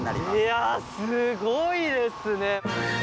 いやすごいですね。